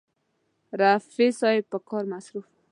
رفیع صاحب په کار مصروف و.